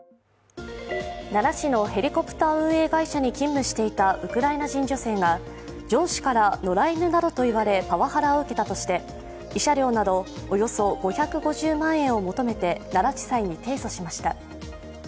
奈良市のヘリコプター運営会社に勤務していたウクライナ人女性が上司から野良犬などと言われ、パワハラを受けたとして慰謝料などおよそ５５０万円を求めて奈良地裁に提訴しました。